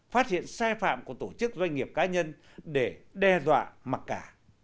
phát hiện sai phạm của tổ chức doanh nghiệp cá nhân để đe dọa mặc cả